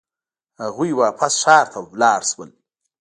هغوی واپس ښار ته لاړ شول.